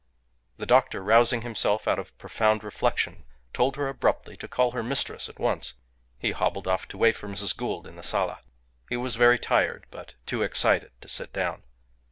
The doctor, rousing himself out of profound reflection, told her abruptly to call her mistress at once. He hobbled off to wait for Mrs. Gould in the sala. He was very tired, but too excited to sit down.